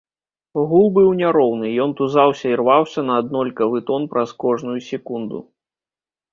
Гул быў няроўны, ён тузаўся і рваўся на аднолькавы тон праз кожную секунду.